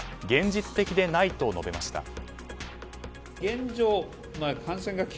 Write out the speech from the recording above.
現実的でないと述べました。